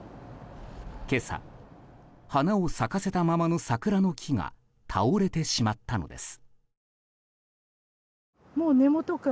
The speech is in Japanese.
今朝、花を咲かせたままの桜の木が倒れてしまったのです。